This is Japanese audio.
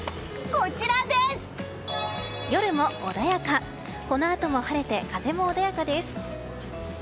このあとも晴れて風も穏やかです。